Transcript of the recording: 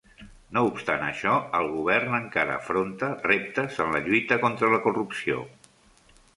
No obstant això, el govern encara afronta reptes en la lluita contra la corrupció.